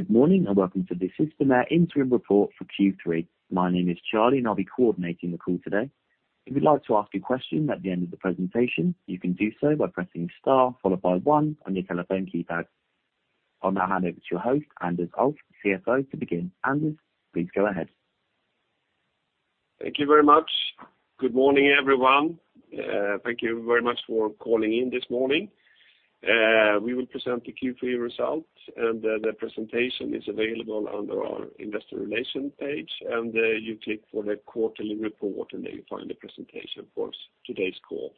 Good morning, welcome to the Systemair interim report for Q3. My name is Charlie, I'll be coordinating the call today. If you'd like to ask a question at the end of the presentation, you can do so by pressing star followed by one on your telephone keypad. I'll now hand over to your host, Anders Ulff, CFO, to begin. Anders, please go ahead. Thank you very much. Good morning, everyone. Thank you very much for calling in this morning. We will present the Q3 results, and the presentation is available under our investor relation page. You click for the quarterly report, and there you'll find the presentation for today's call.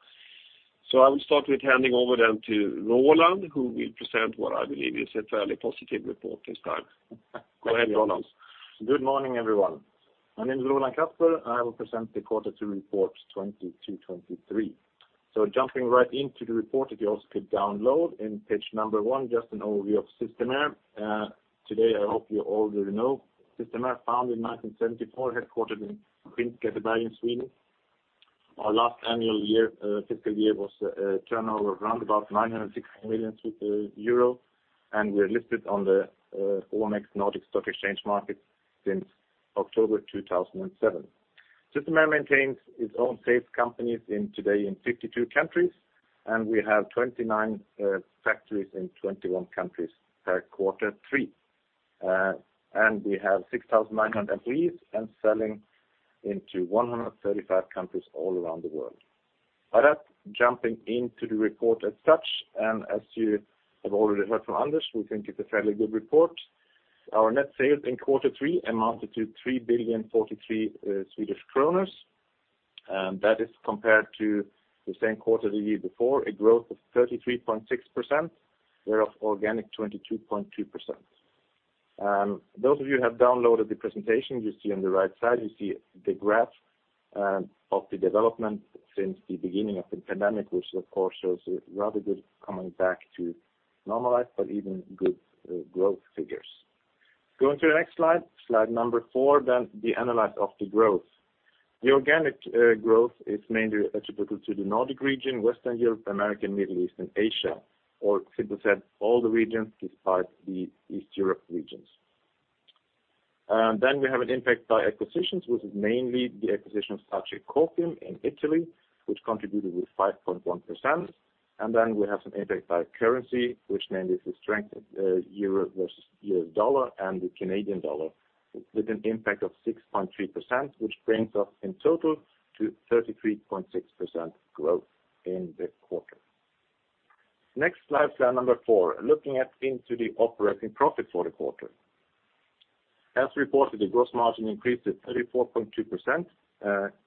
I will start with handing over then to Roland, who will present what I believe is a fairly positive report this time. Go ahead, Roland. Good morning, everyone. My name is Roland Kasper. I will present the quarter two report 2022-2023. Jumping right into the report that you also could download. In page number one, just an overview of Systemair. Today, I hope you already know Systemair, founded in 1974, headquartered in Skinnskatteberg in Sweden. Our last annual fiscal year was turnover of around 960 million euro, we're listed on the OMX Nordic Stock Exchange market since October 2007. Systemair maintains its own sales companies in today in 52 countries, we have 29 factories in 21 countries per quarter three. We have 6,900 employees and selling into 135 countries all around the world. By that, jumping into the report as such, as you have already heard from Anders, we think it's a fairly good report. Our net sales in quarter three amounted to 3,043 million Swedish kronor, that is compared to the same quarter the year before, a growth of 33.6%, thereof organic 22.2%. Those of you who have downloaded the presentation, you see on the right side the graph of the development since the beginning of the pandemic, which of course shows a rather good coming back to normalized but even good growth figures. Going to the next slide number four, the analysis of the growth. The organic growth is mainly attributable to the Nordic region, Western Europe, American, Middle East, and Asia, or simply said, all the regions despite the Eastern Europe regions. We have an impact by acquisitions, which is mainly the acquisition of SagiCofim in Italy, which contributed with 5.1%. We have some impact by currency, which mainly is the strength of Euro versus US dollar and the Canadian dollar with an impact of 6.3%, which brings us in total to 33.6% growth in the quarter. Next slide number four, looking at into the operating profit for the quarter. As reported, the gross margin increased to 34.2%,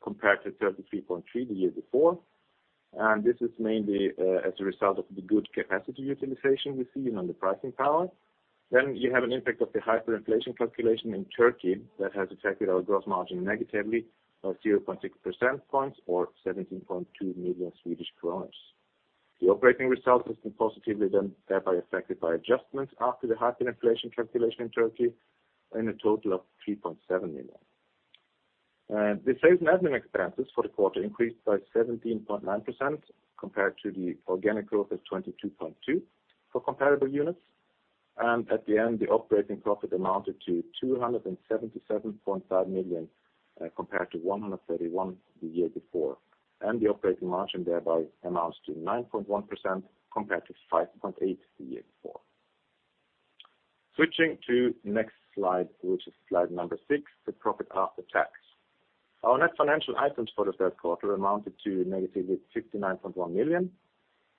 compared to 33.3% the year before. This is mainly as a result of the good capacity utilization we're seeing on the pricing power. You have an impact of the hyperinflation calculation in Turkey that has affected our gross margin negatively by 0.6 percentage points or 17.2 million Swedish kronor. The operating result has been positively then thereby affected by adjustments after the hyperinflation calculation in Turkey in a total of 3.7 million. The sales and admin expenses for the quarter increased by 17.9% compared to the organic growth of 22.2% for comparable units. At the end, the operating profit amounted to 277.5 million compared to 131 million the year before. The operating margin thereby amounts to 9.1% compared to 5.8% the year before. Switching to next slide, which is slide number six, the profit after tax. Our net financial items for the third quarter amounted to negative 69.1 million.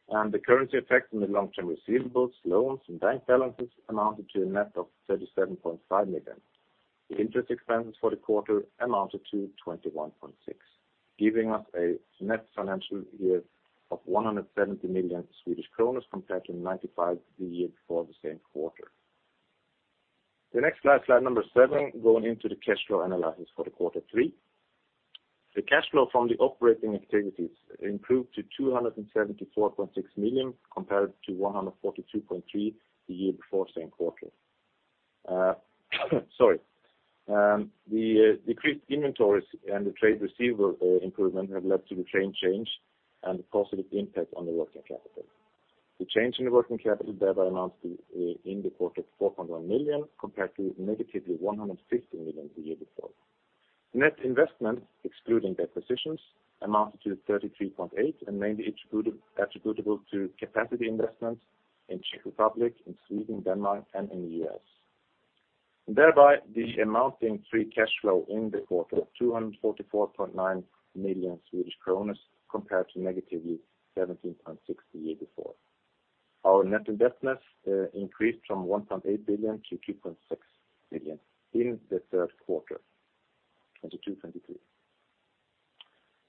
The currency effect on the long-term receivables, loans, and bank balances amounted to a net of 37.5 million. The interest expenses for the quarter amounted to 21.6, giving us a net financial yield of 170 million compared to 95 million the year before the same quarter. The next slide number seven, going into the cash flow analysis for quarter three. The cash flow from the operating activities improved to 274.6 million compared to 142.3 the year before same quarter. Sorry. The decreased inventories and the trade receivable improvement have led to the change and a positive impact on the working capital. The change in the working capital thereby amounts to, in the quarter to 4.1 million compared to negatively 150 million the year before. Net investment, excluding the acquisitions, amounted to 33.8 milion, and mainly attributable to capacity investments in Czech Republic, in Sweden, Denmark, and in the U.S. Thereby, the amounting three cash flow in the quarter, 244.9 million Swedish kronor compared to negatively 17.6 million the year before. Our net investments increased from 1.8 billion to 2.6 billion in the third quarter 2022, 2023.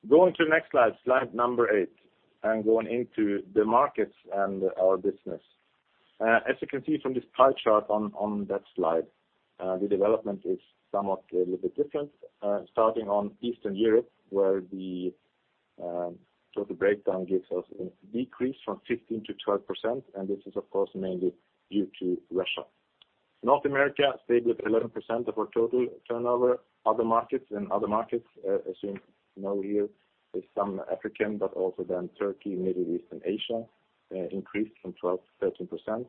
Going to the next slide, slide number eight, and going into the markets and our business. As you can see from this pie chart on that slide, the development is somewhat a little bit different, starting on Eastern Europe, where the total breakdown gives us a decrease from 15% to 12%, and this is of course mainly due to Russia. North America stayed with 11% of our total turnover. Other markets, as you know here, is some African, but also then Turkey, Middle East, and Asia, increased from 12% to 13%.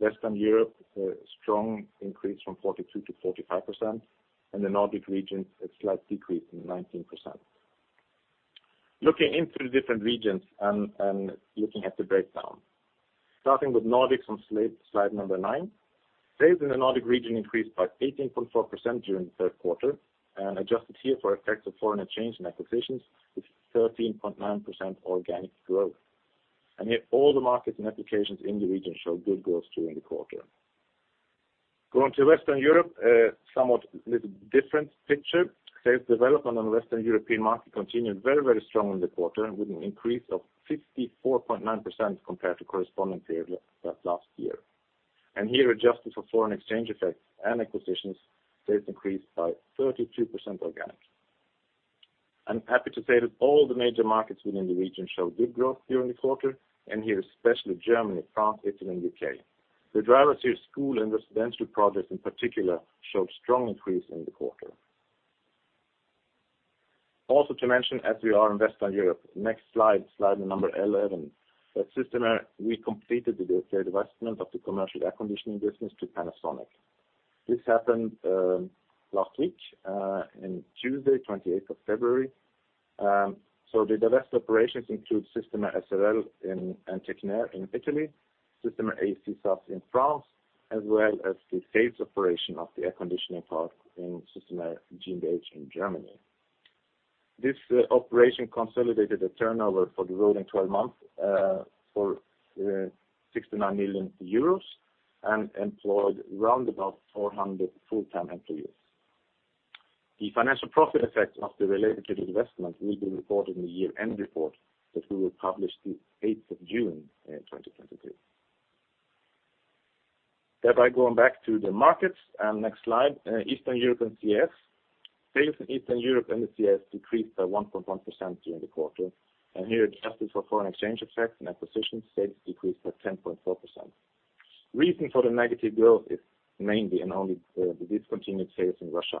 Western Europe, a strong increase from 42% to 45%, and the Nordic region, a slight decrease in 19%. Looking into the different regions and looking at the breakdown. Starting with Nordics on slide number nine. Sales in the Nordic region increased by 18.4% during the third quarter, adjusted here for effects of foreign exchange and acquisitions, it's 13.9% organic growth. Yet all the markets and applications in the region show good growth during the quarter. Going to Western Europe, somewhat different picture. Sales development on Western European market continued very strong in the quarter with an increase of 54.9% compared to corresponding period last year. Here, adjusted for foreign exchange effects and acquisitions, sales increased by 32% organic. I'm happy to say that all the major markets within the region showed good growth during the quarter, here, especially Germany, France, Italy, and U.K. The drivers here, School and Residential projects in particular, showed strong increase in the quarter. Also to mention, as we are in Western Europe, next slide number 11. At Systemair, we completed the divested investment of the commercial Air Conditioning business to Panasonic. This happened last week, in Tuesday, 28th of February. The divest operations include Systemair S.r.l and Techair in Italy, Systemair AC SAS in France, as well as the sales operation of the air conditioning part in Systemair GmbH in Germany. This operation consolidated a turnover for the rolling 12-month, for 69 million euros and employed round about 400 full-time employees. The financial profit effect of the related investment will be reported in the year-end report that we will publish the 8th of June, 2023. Thereby going back to the markets, and next slide, Eastern Europe and CIS. Sales in Eastern Europe and the CIS decreased by 1.1% during the quarter. Here, adjusted for foreign exchange effects and acquisitions, sales decreased by 10.4%. Reason for the negative growth is mainly and only the discontinued sales in Russia.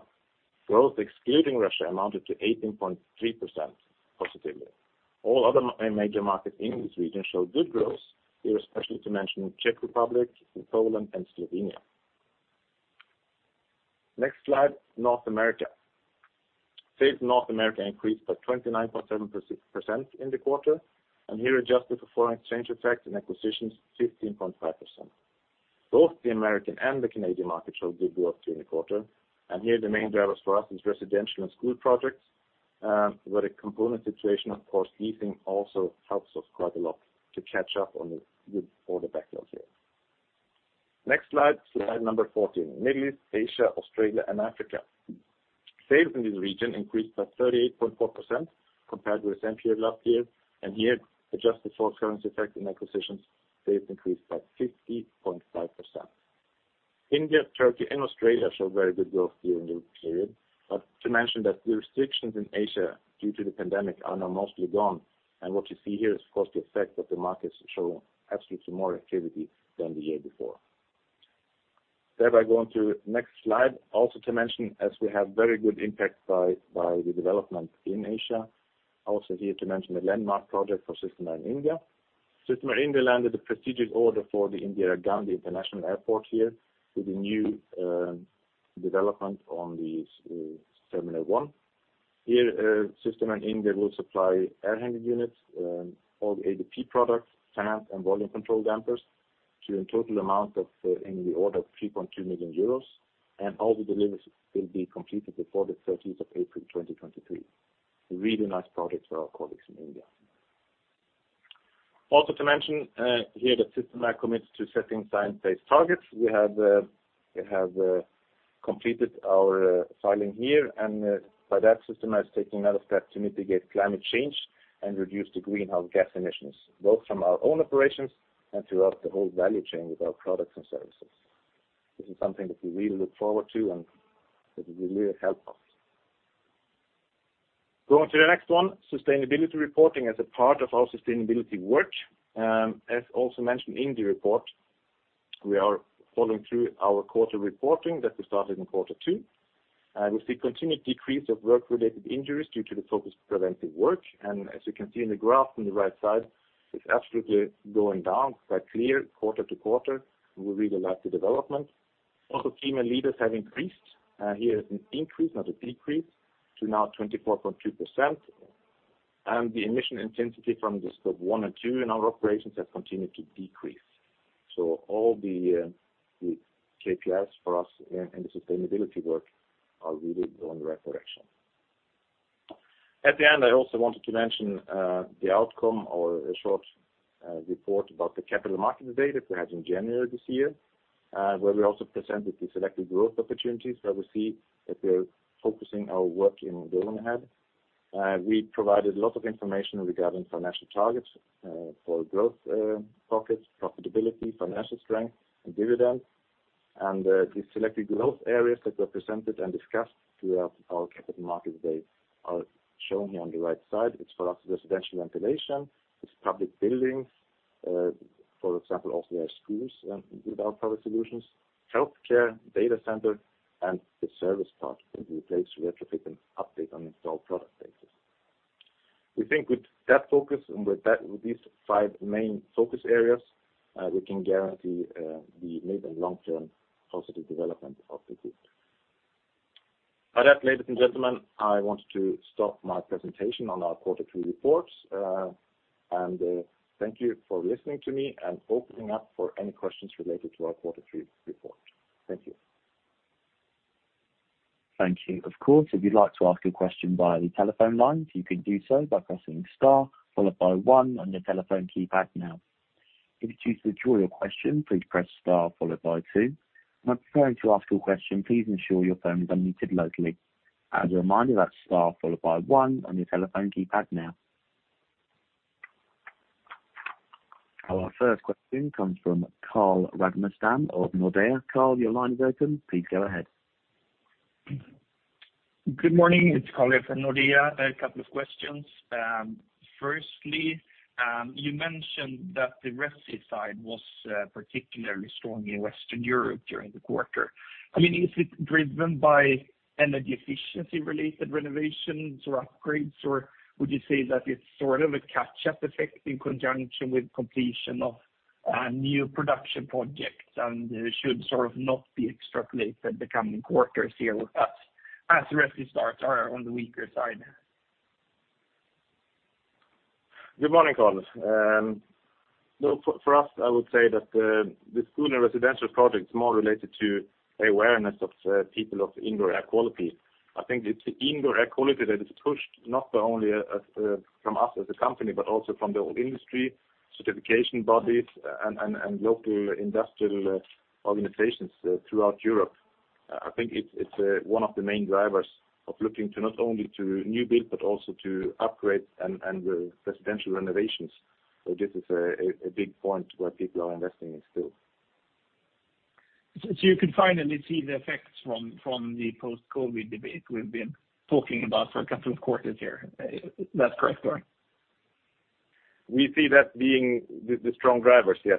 Growth excluding Russia amounted to 18.3% positively. All other major markets in this region show good growth, here especially to mention Czech Republic, Poland, and Slovenia. Next slide. North America. Sales in North America increased by 29.7% in the quarter, and here, adjusted for foreign exchange effects and acquisitions, 15.5%. Both the American and the Canadian market showed good growth during the quarter. Here the main drivers for us is Residential and School projects, where the component situation, of course, easing also helps us quite a lot to catch up for the backlogs here. Next slide, slide number 14. Middle East, Asia, Australia, and Africa. Sales in this region increased by 38.4% compared with the same period last year. Here, adjusted for currency effect and acquisitions, sales increased by 50.5%. India, Turkey, and Australia show very good growth during this period. To mention that the restrictions in Asia due to the pandemic are now mostly gone, what you see here is, of course, the effect that the markets show absolutely more activity than the year before. Thereby going to next slide. Also to mention, as we have very good impact by the development in Asia, also here to mention the landmark project for Systemair India. Systemair India landed a prestigious order for the Indira Gandhi International Airport here with the new development on these terminal one. Here Systemair India will supply air handling units, all the ADP products, fan and volume control dampers, to a total amount of in the order of 3.2 million euros, and all the deliveries will be completed before the 13th of April, 2023. A really nice project for our colleagues in India. Also to mention here that Systemair commits to setting science-based targets. We have completed our filing here, by that, Systemair is taking another step to mitigate climate change and reduce the greenhouse gas emissions, both from our own operations and throughout the whole value chain with our products and services. This is something that we really look forward to and that will really help us. Going to the next one, sustainability reporting as a part of our sustainability work. As also mentioned in the report, we are following through our quarter reporting that we started in quarter two. We see continued decrease of work-related injuries due to the focus preventive work. As you can see in the graph on the right side, it's absolutely going down quite clear quarter-to-quarter. We really like the development. Also, female leaders have increased. Here is an increase, not a decrease, to now 24.2%. The emission intensity from the Scope 1 and 2 in our operations has continued to decrease. All the KPIs for us and the sustainability work are really going the right direction. At the end, I also wanted to mention the outcome or a short report about the Capital Markets Day that we had in January this year, where we also presented the selected growth opportunities, where we see that we are focusing our work in going ahead. We provided a lot of information regarding financial targets, for growth, pockets, profitability, financial strength, and dividends. The selected growth areas that were presented and discussed throughout our Capital Markets Day are shown here on the right side. It's for us, Residential ventilation, it's public buildings, for example, also our Schools with our Product Solutions, Healthcare, Data Center, and the Service part can replace Retrofit and Update on installed product basis. We think with that focus and with that, with these five main focus areas, we can guarantee the mid and long-term positive development of the group. With that, ladies and gentlemen, I want to stop my presentation on our quarter three reports. Thank you for listening to me and opening up for any questions related to our quarter three report. Thank you. Thank you. Of course, if you'd like to ask a question via the telephone lines, you can do so by pressing star followed by one on your telephone keypad now. If you choose to withdraw your question, please press star followed by two. When preparing to ask your question, please ensure your phone is unmuted locally. As a reminder, that's star followed by one on your telephone keypad now. Our first question comes from Carl Ragnerstam of Nordea. Carl, your line is open. Please go ahead. Good morning. It's Carl from Nordea. A couple of questions. Firstly, you mentioned that the Resi side was particularly strong in Western Europe during the quarter. I mean, is it driven by energy efficiency related renovations or upgrades, or would you say that it's sort of a catch-up effect in conjunction with completion of new production projects and should sort of not be extrapolated the coming quarters here with us as the Resi starts are on the weaker side? Good morning, Carl. No, for us, I would say that the School and Residential projects more related to the awareness of people of indoor air quality. I think it's the indoor air quality that is pushed not by only, as, from us as a company, but also from the industry, certification bodies and local industrial organizations throughout Europe. I think it's one of the main drivers of looking to not only new build, but also to upgrade and the Residential renovations. This is a big point where people are investing in still. You can finally see the effects from the post-COVID debate we've been talking about for a couple of quarters here. Is that correct or? We see that being the strong drivers, yes.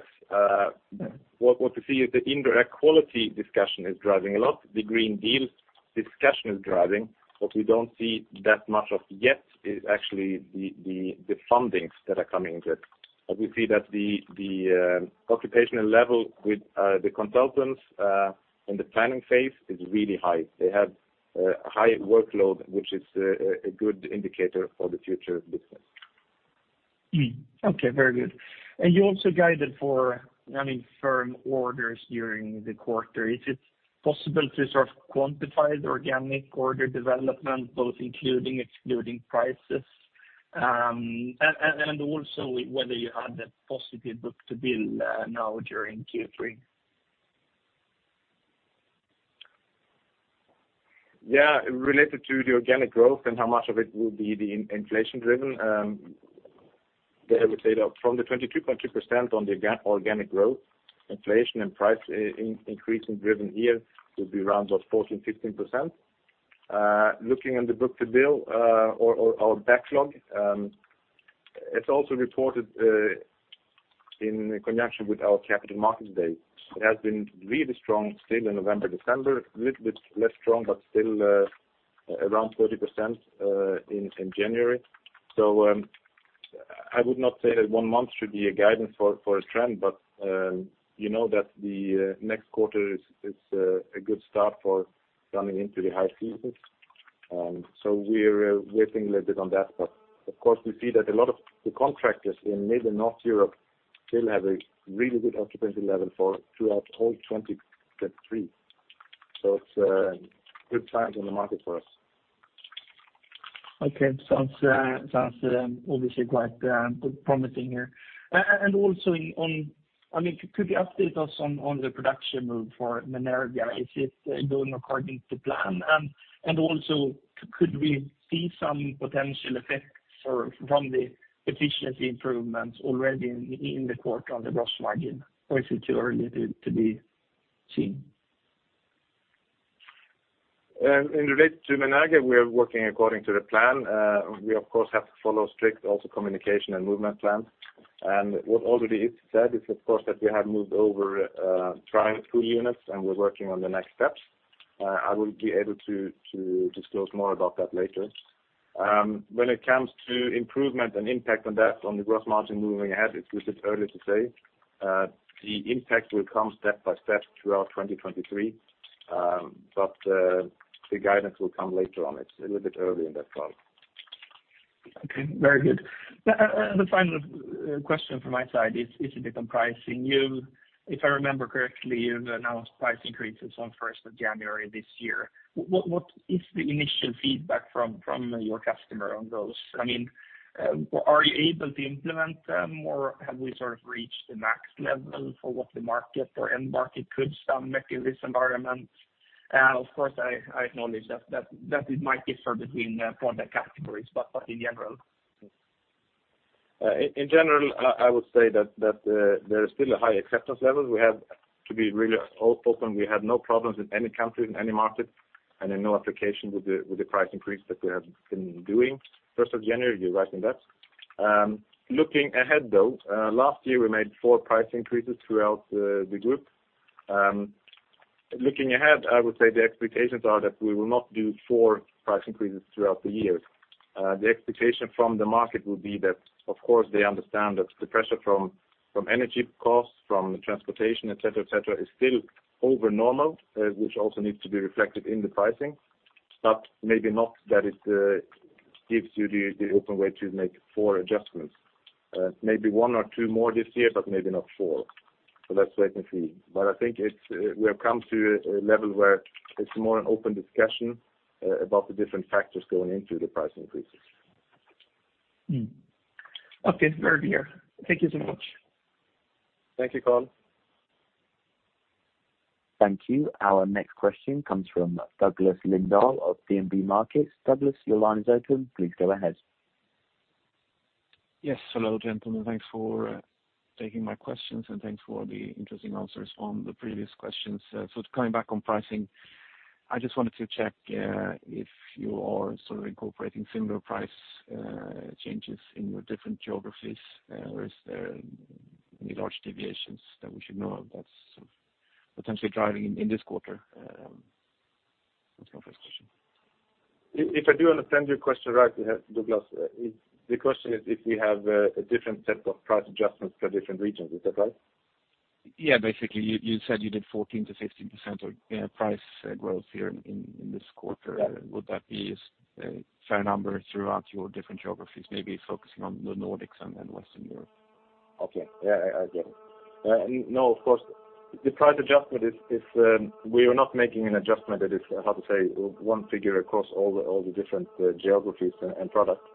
What we see is the Indoor Air Quality discussion is driving a lot. The Green Deal discussion is driving. What we don't see that much of yet is actually the fundings that are coming in. We see that the occupational level with the consultants in the planning phase is really high. They have high workload, which is a good indicator for the future business. Okay. Very good. You also guided for having firm orders during the quarter. Is it possible to sort of quantify the organic order development, both including, excluding prices? And also whether you had that positive book-to-bill now during Q3. Related to the organic growth and how much of it will be the inflation driven, they would say that from the 22.2% on the organic growth, inflation and price increase in driven year will be around about 14%-15%. Looking at the book-to-bill or our backlog, it's also reported in connection with our Capital Markets Day. It has been really strong still in November, December, little bit less strong, but still around 30% in January. I would not say that one month should be a guidance for a trend, but you know that the next quarter is a good start for coming into the high season. We're waiting a little bit on that. Of course, we see that a lot of the contractors in maybe North Europe still have a really good occupancy level for throughout all 2023. It's good times in the market for us. Okay. Sounds, sounds, obviously quite promising here. Also on, I mean, could you update us on the production for Menerga? Is it going according to plan? Also could we see some potential effects or from the efficiency improvements already in the quarter on the gross margin, or is it too early to be seen? In relate to Menerga, we are working according to the plan. We of course have to follow strict also communication and movement plan. What already is said is, of course, that we have moved over, trying two units, and we're working on the next steps. I will be able to disclose more about that later. When it comes to improvement and impact on that on the gross margin moving ahead, it's a little bit early to say. The impact will come step by step throughout 2023, but the guidance will come later on. It's a little bit early in that call. Okay. Very good. The final question from my side is a bit on pricing. You, if I remember correctly, you've announced price increases on 1st of January this year. What is the initial feedback from your customer on those? I mean, are you able to implement them, or have we sort of reached the max level for what the market or end market could stomach in this environment? Of course, I acknowledge that it might differ between product categories, but in general. In general, I would say that there is still a high acceptance level. We have to be really open. We have no problems in any country, in any market, and in no application with the price increase that we have been doing 1st of January. You're right in that. Looking ahead, though, last year, we made four price increases throughout the group. Looking ahead, I would say the expectations are that we will not do four price increases throughout the year. The expectation from the market will be that, of course, they understand that the pressure from energy costs, from the transportation, et cetera, et cetera, is still over normal, which also needs to be reflected in the pricing. Maybe not that it gives you the open way to make four adjustments. maybe one or two more this year, but maybe not four. Let's wait and see. I think it's, we have come to a level where it's more an open discussion, about the different factors going into the price increases. Okay, very clear. Thank you so much. Thank you, Carl. Thank you. Our next question comes from Douglas Lindahl of DNB Markets. Douglas, your line is open. Please go ahead. Hello, gentlemen. Thanks for taking my questions, and thanks for the interesting answers from the previous questions. Coming back on pricing, I just wanted to check if you are sort of incorporating similar price changes in your different geographies, or is there any large deviations that we should know of that's potentially driving in this quarter? That's my first question. If I do understand your question right, Douglas, the question is if we have a different set of price adjustments for different regions. Is that right? Yeah. Basically, you said you did 14%-15% of price growth here in this quarter. Yeah. Would that be a fair number throughout your different geographies, maybe focusing on the Nordics and Western Europe? Okay. Yeah, I get it. No, of course, the price adjustment is, we are not making an adjustment that is, how to say, one figure across all the different geographies and product.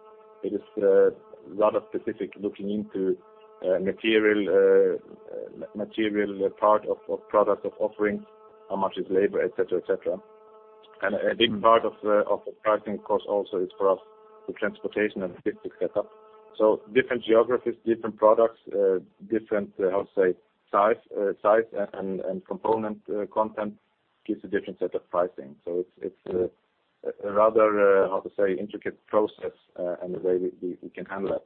It is rather specific looking into material part of product, of offerings, how much is labor, et cetera, et cetera. A big part of the pricing, of course, also is, for us, the transportation and basic setup. Different geographies, different products, different, how to say, size and component, content gives a different set of pricing. It's a rather, how to say, intricate process, and the way we, we can handle that.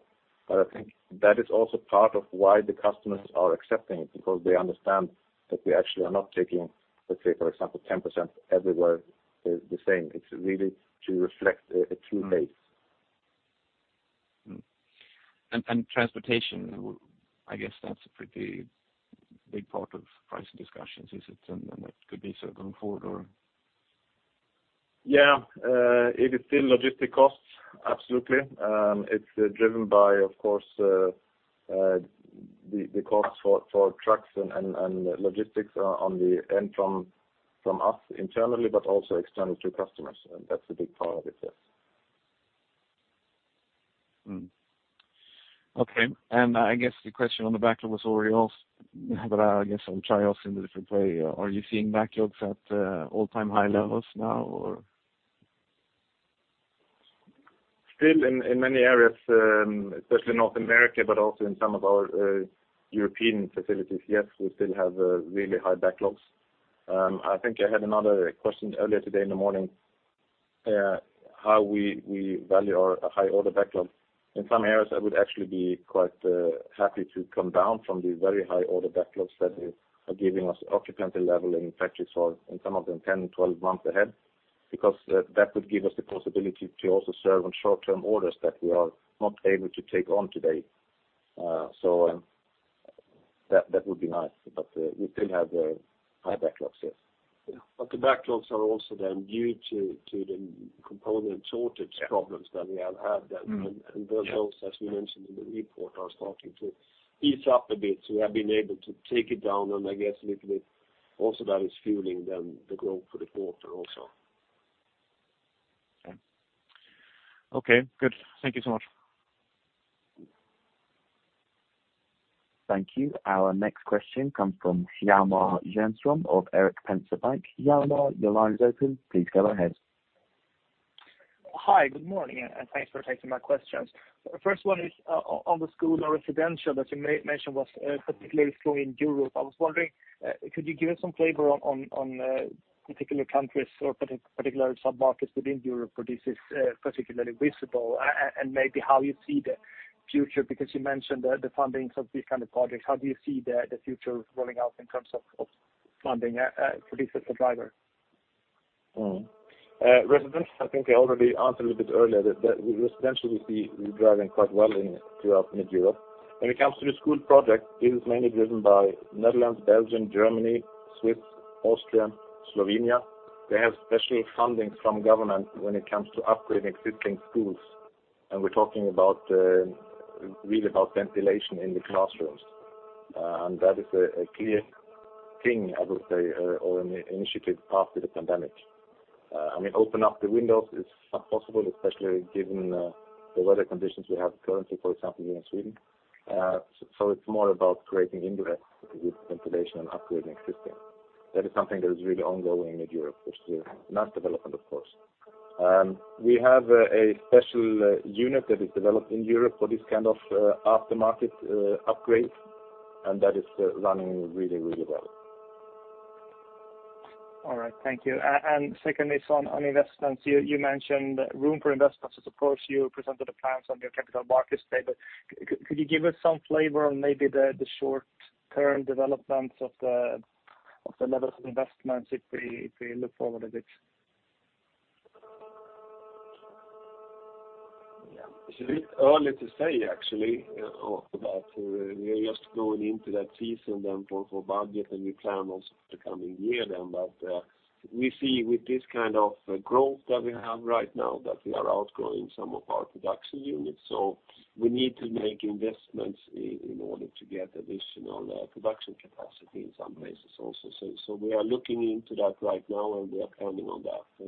I think that is also part of why the customers are accepting it, because they understand that we actually are not taking, let's say for example, 10% everywhere, the same. It's really to reflect a true rate. And transportation, I guess that's a pretty big part of pricing discussions. Is it, and it could be sort of going forward or? Yeah. It is still logistic costs, absolutely. It's driven by, of course, the costs for trucks and logistics on the end from us internally, but also externally to customers. That's a big part of it, yes. Okay. I guess the question on the back was already asked, but I guess I'll try asking the different way. Are you seeing backlogs at all-time high levels now or? Still in many areas, especially North America, but also in some of our European facilities, yes, we still have really high backlogs. I think I had another question earlier today in the morning, how we value our high order backlogs. In some areas, I would actually be quite happy to come down from the very high order backlogs that are giving us occupancy level in factories for, in some of them, 10, 12 months ahead, because that would give us the possibility to also serve on short-term orders that we are not able to take on today. That would be nice. We still have high backlogs, yes. The backlogs are also then due to the component shortage problems that we have had. Those also, as we mentioned in the report, are starting to ease up a bit, so we have been able to take it down. I guess little bit also that is fueling then the growth for the quarter also. Okay. Okay, good. Thank you so much. Thank you. Our next question comes from Hjalmar Jernström of Erik Penser Bank. Hjalmar, your line is open. Please go ahead. Hi. Good morning, and thanks for taking my questions. First one is on the School or Residential that you mentioned was particularly strong in Europe. I was wondering, could you give us some flavor on particular countries or particular sub-markets within Europe where this is particularly visible and maybe how you see the future, because you mentioned the fundings of these kind of projects. How do you see the future rolling out in terms of funding for this as a driver? Residential, I think I already answered a little bit earlier that Residential we see driving quite well in, throughout Mid-Europe. When it comes to the School project, it is mainly driven by Netherlands, Belgium, Germany, Switzerland, Austria, Slovenia. They have special funding from government when it comes to upgrading existing schools, and we're talking about really about ventilation in the classrooms. That is a clear thing, I would say, or an initiative after the pandemic. I mean, open up the windows is not possible, especially given the weather conditions we have currently, for example, here in Sweden. It's more about creating indoor with ventilation and upgrading existing. That is something that is really ongoing in Mid-Europe, which is a nice development, of course. We have a special unit that is developed in Europe for this kind of aftermarket upgrade, and that is running really, really well. All right. Thank you. Secondly, so on investments, you mentioned room for investments as, of course, you presented the plans on your Capital Markets Day. Could you give us some flavor on maybe the short-term developments of the level of investments if we, if we look forward a bit? Yeah. It's a bit early to say actually, about, we're just going into that season then for budget. We plan also the coming year then. We see with this kind of growth that we have right now, that we are outgrowing some of our production units. We need to make investments in order to get additional production capacity in some places also. We are looking into that right now, and we are planning on that.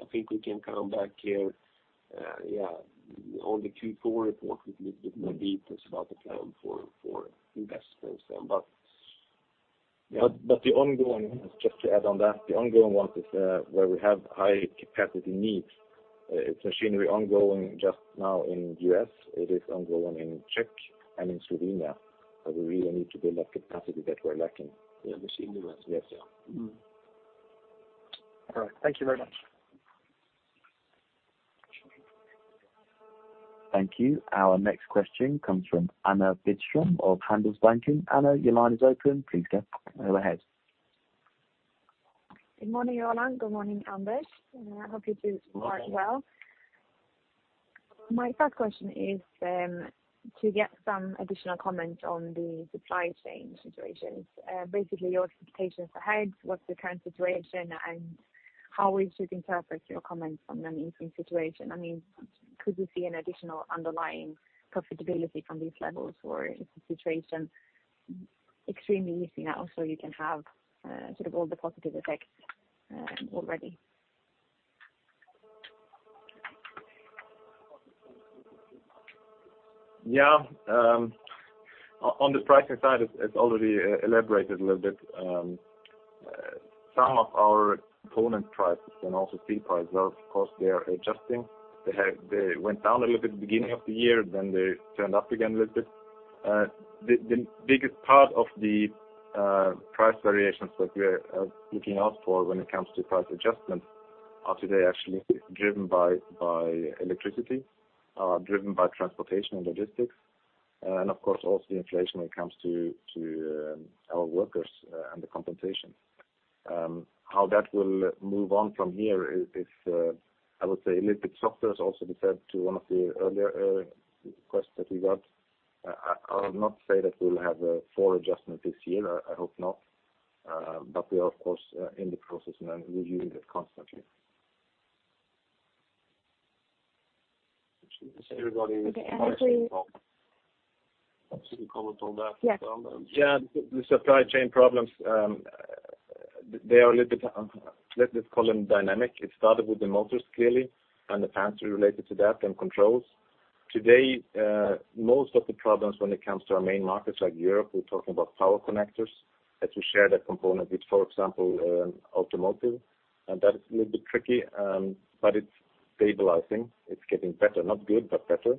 I think we can come back here, yeah, on the Q4 report with maybe just about the plan for investments then. The ongoing, just to add on that, the ongoing ones is, where we have high capacity needs. It's machinery ongoing just now in U.S., it is ongoing in Czech and in Slovenia, where we really need to build up capacity that we're lacking. Yeah, the machinery. Yes. All right. Thank you very much. Thank you. Our next question comes from Anna Widström of Handelsbanken. Anna, your line is open. Please go ahead. Good morning, Roland. Good morning, Anders. I hope you two are well. Good morning. My first question is to get some additional comment on the supply chain situations. Basically your expectations ahead, what's the current situation, and how we should interpret your comments on an easing situation? I mean, could you see an additional underlying profitability from these levels, or is the situation extremely easy now, so you can have sort of all the positive effects already? On the pricing side, it's already elaborated a little bit. Some of our component prices and also fee price as well, of course, they are adjusting. They went down a little bit at the beginning of the year, then they turned up again a little bit. The biggest part of the price variations that we are looking out for when it comes to price adjustments are today actually driven by electricity, driven by transportation and logistics, and of course, also the inflation when it comes to our workers and the compensation. How that will move on from here is I would say a little bit softer. It's also referred to one of the earlier requests that we got. I would not say that we'll have a full adjustment this year. I hope not. We are of course, in the process now and reviewing it constantly. Is everybody- Okay. Should we comment on that as well? Yes. The supply chain problems, they are a little bit, let us call them dynamic. It started with the motors, clearly, and the periphery related to that, and controls. Today, most of the problems when it comes to our main markets like Europe, we're talking about power connectors, that we share that component with, for example, automotive, and that is a little bit tricky. It's stabilizing. It's getting better. Not good, but better.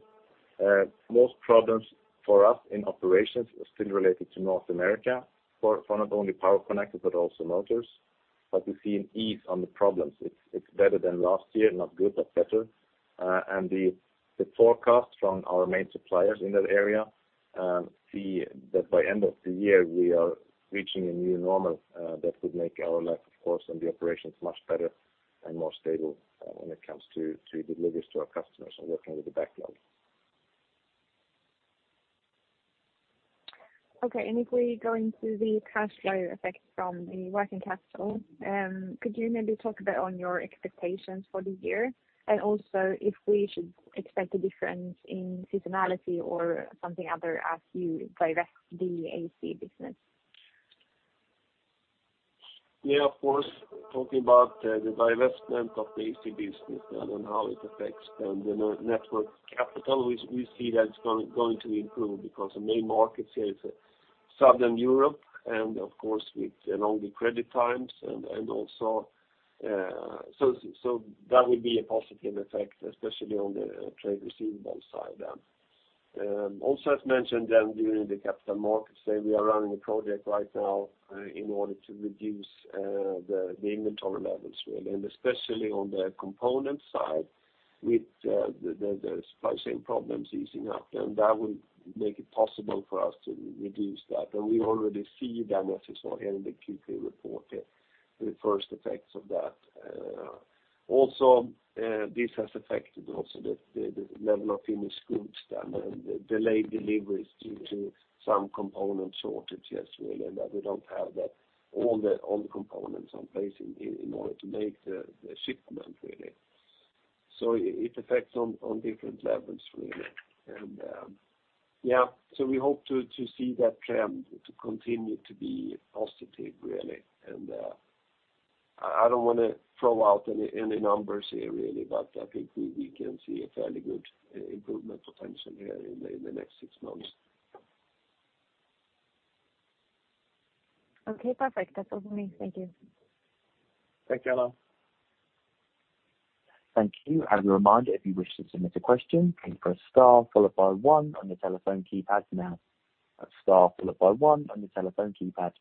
Most problems for us in operations are still related to North America for not only power connectors, but also motors. We see an ease on the problems. It's better than last year, not good, but better. The forecast from our main suppliers in that area, see that by end of the year, we are reaching a new normal, that would make our life, of course, and the operations much better and more stable, when it comes to deliveries to our customers and working with the backlog. If we go into the cash flow effect from the working capital, could you maybe talk a bit on your expectations for the year? Also if we should expect a difference in seasonality or something other as you divest the AC business? Yeah, of course. Talking about the divestment of the AC business and how it affects the net-net worth capital, we see that it's going to improve because the main market here is Southern Europe, and of course, with along the credit times and also that would be a positive effect, especially on the trade receivables side then. Also as mentioned then during the Capital Markets Day, we are running a project right now in order to reduce the inventory levels really, and especially on the component side with the supply chain problems easing up, then that would make it possible for us to reduce that. We already see that, as you saw here in the Q3 report, the first effects of that. Also, this has affected also the level of finished goods done and delayed deliveries due to some component shortages really, and that we don't have that all the components in place in order to make the shipment really. It affects on different levels really. Yeah. We hope to see that trend to continue to be positive, really. I don't wanna throw out any numbers here really, but I think we can see a fairly good improvement potential here in the next six months. Okay, perfect. That's all for me. Thank you. Thank you, Anna. Thank you. As a reminder, if you wish to submit a question, please press star followed by one on your telephone keypad now. That's star followed by one on your telephone keypad.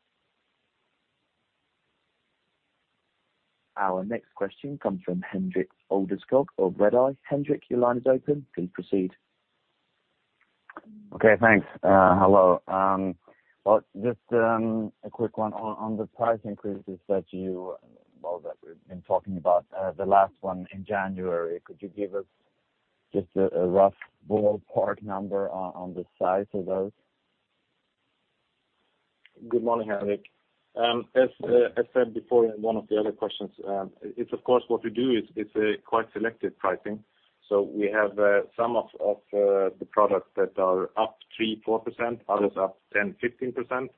Our next question comes from Henrik Alveskog of Redeye. Henrik, your line is open. Please proceed. Okay, thanks. Hello. Well, just a quick one. On the price increases that we've been talking about, the last one in January, could you give us just a rough ballpark number on the size of those? Good morning, Henrik. As I said before in one of the other questions, it's of course what we do is a quite selective pricing. We have some of the products that are up 3%-4%, others up 10%-15%.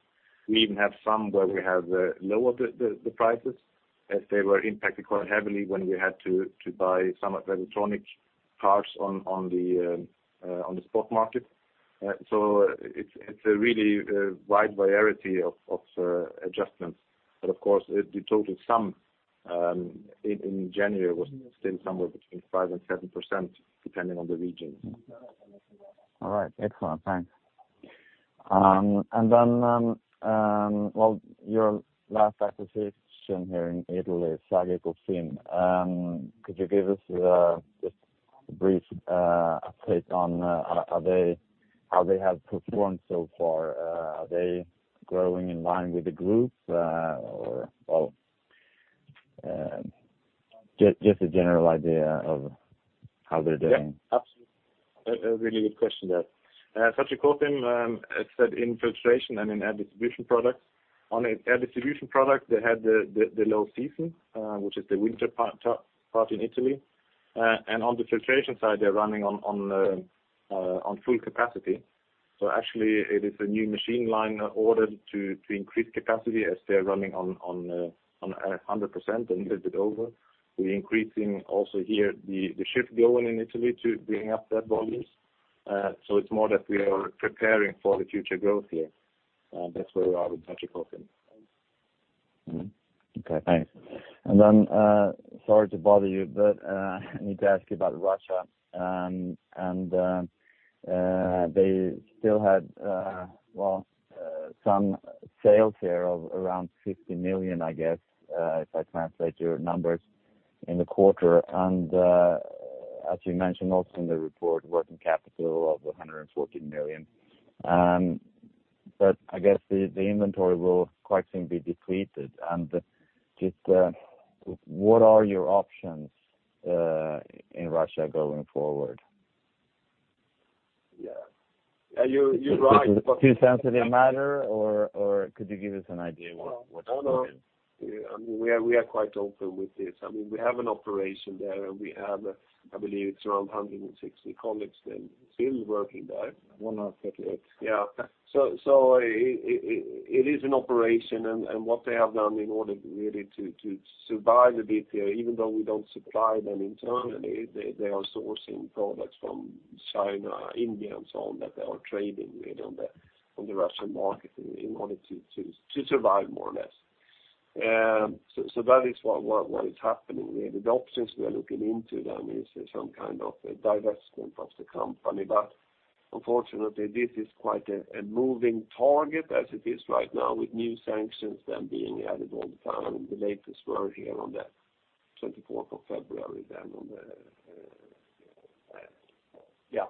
We even have some where we have lowered the prices as they were impacted quite heavily when we had to buy some of the electronic parts on the spot market. It's a really wide variety of adjustments. But of course, the total sum in January was still somewhere between 5% and 7%, depending on the region. All right. Excellent. Thanks. Well, your last acquisition here in Italy, SagiCofim, could you give us just a brief update on how they have performed so far? Are they growing in line with the group, or, well, just a general idea of how they're doing. Yeah. Absolutely. A really good question there. SagiCofim, as said in Filtration and in Air Distribution Products. On Air Distribution Products, they had the low season, which is the winter part in Italy. On the Filtration side, they're running on full capacity. Actually it is a new machine line ordered to increase capacity as they're running on 100% and a little bit over. We're increasing also here the shift going in Italy to bring up their volumes. It's more that we are preparing for the future growth here. That's where we are with SagiCofim. Okay, thanks. Sorry to bother you, I need to ask you about Russia. They still had some sales here of around 50 million, I guess, if I translate your numbers in the quarter. As you mentioned also in the report, working capital of 114 million. I guess the inventory will quite soon be depleted. Just what are your options in Russia going forward? Yeah. You're right. Too sensitive a matter, or could you give us an idea what's going on? No, no. We are quite open with this. I mean, we have an operation there, and we have, I believe it's around 160 colleagues that still working there. 158. Yeah. It is an operation and what they have done in order really to survive a bit here, even though we don't supply them internally, they are sourcing products from China, India and so on that they are trading, you know, on the Russian market in order to survive more or less. That is what is happening. The options we are looking into then is some kind of a divestment of the company. Unfortunately this is quite a moving target as it is right now with new sanctions then being added all the time, and the latest were here on the 24th of February then on the. Yeah.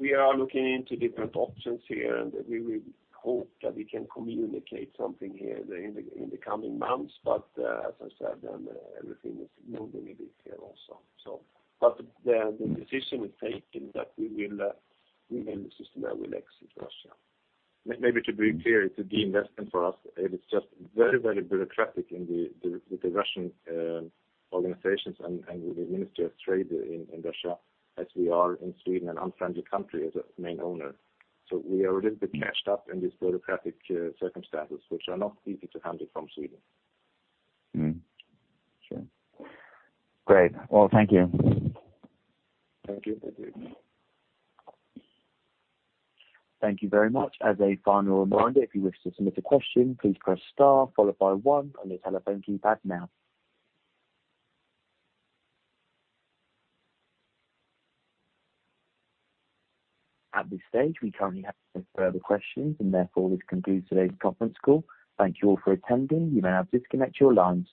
We are looking into different options here, and we will hope that we can communicate something here in the coming months. As I said, then everything is moving a bit here also. The decision is taken that we will, we in Systemair will exit Russia. Maybe to be clear, it's a de-investment for us. It is just very, very bureaucratic in the with the Russian organizations and with the Minister of Trade in Russia, as we are in Sweden, an unfriendly country as a main owner. We are a little bit catched up in these bureaucratic circumstances which are not easy to handle from Sweden. Sure. Great. Well, thank you. Thank you. Thank you. Thank you very much. As a final reminder, if you wish to submit a question, please press star followed by one on your telephone keypad now. At this stage, we currently have no further questions, and therefore this concludes today's conference call. Thank you all for attending. You may now disconnect your lines.